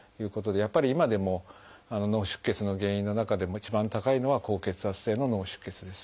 やっぱり今でも脳出血の原因の中でも一番高いのは高血圧性の脳出血です。